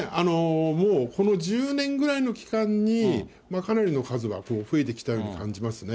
もうこの１０年ぐらいの期間に、かなりの数は増えてきたように感じますね。